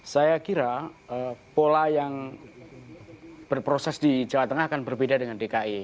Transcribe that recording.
saya kira pola yang berproses di jawa tengah akan berbeda dengan dki